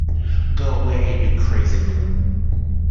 Go away, you crazy loon!